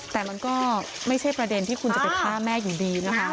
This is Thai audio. แต่มันก็ไม่ใช่ประเด็นที่คุณจะไปฆ่าแม่อยู่ดีนะคะ